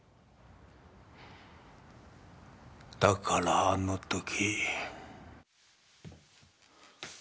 だからあの時。